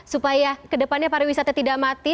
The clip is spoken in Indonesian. supaya ke depannya para wisata tidak mati